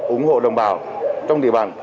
ủng hộ đồng bào trong địa bàn